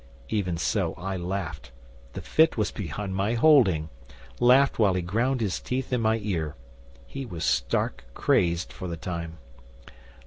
Even so I laughed the fit was beyond my holding laughed while he ground his teeth in my ear. He was stark crazed for the time.